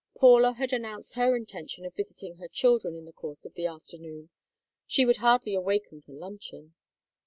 Paula had announced her intention of visiting her children in the course of the afternoon; she would hardly awaken for luncheon.